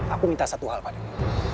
aku minta satu hal padamu